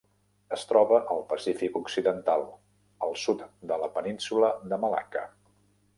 Es troba al Pacífic occidental: el sud de la península de Malacca.